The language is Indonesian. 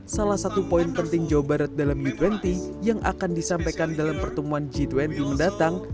salah satu poin penting jawa barat dalam u dua puluh yang akan disampaikan dalam pertemuan g dua puluh mendatang